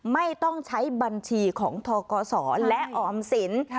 ไม่ต้องใช้บัญชีของทกศและออมสิน